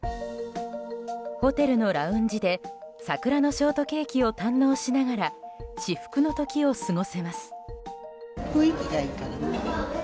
ホテルのラウンジで桜のショートケーキを堪能しながら至福の時を過ごせます。